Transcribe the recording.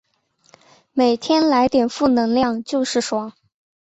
每天来点负能量就是爽